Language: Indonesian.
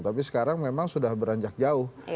tapi sekarang memang sudah beranjak jauh